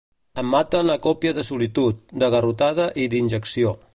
Em maten a còpia de solitud, de garrotada i d'injecció.